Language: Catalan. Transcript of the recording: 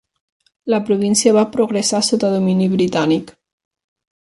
La província va progressar sota domini britànic.